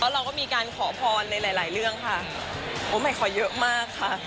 เราก็มีการขอพรในหลายหลายเรื่องค่ะโอ้ใหม่ขอเยอะมากค่ะ